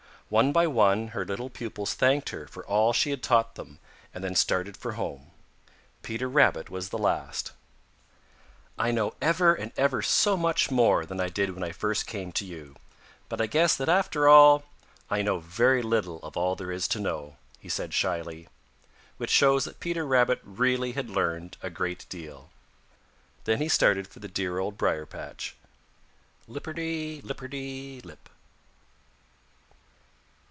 One by one her little pupils thanked her for all she had taught them, and then started for home. Peter Rabbit was the last. "I know ever and ever so much more than I did when I first came to you, but I guess that after all I know very little of all there is to know," said he shyly, which shows that Peter really had learned a great deal. Then he started for the dear Old Briar patch, lipperty lipperty lip.